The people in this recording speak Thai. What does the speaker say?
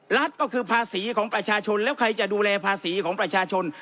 รัฐก็คือภาษีของประชาชนแล้วใครจะดูแลภาษีของประชาชน